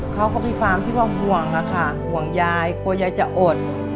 เขาก็มีความที่ว่าห่วงค่ะห่วงยายกลัวยายจะอด